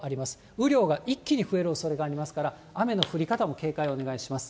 雨量が一気に増えるおそれがありますから、雨の降り方も警戒をお願いします。